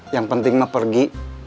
yang penting mau pergi